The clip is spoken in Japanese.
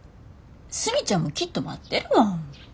スミちゃんもきっと待ってるわ。